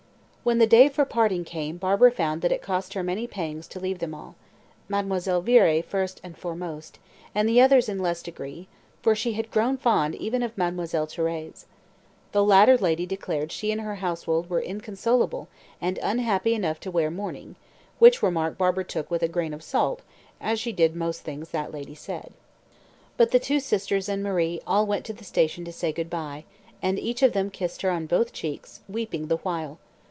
When the day for parting came Barbara found that it cost her many pangs to leave them all Mademoiselle Viré first and foremost, and the others in less degree, for she had grown fond even of Mademoiselle Thérèse. The latter lady declared she and her household were inconsolable and "unhappy enough to wear mourning," which remark Barbara took with a grain of salt, as she did most things that lady said. But the two sisters and Marie all went to the station to say good bye, and each of them kissed her on both cheeks, weeping the while.